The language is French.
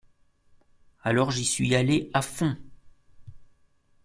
Alors j'y suis allée, à fond.